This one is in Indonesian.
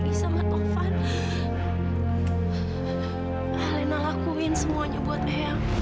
itu apa lagi tante